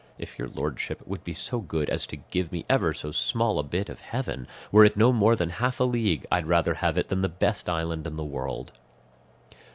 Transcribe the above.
If your lordship would be so good as to give me ever so small a bit of heaven, were it no more than half a league, I'd rather have it than the best island in the world."